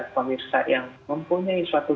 pemirsa yang mempunyai suatu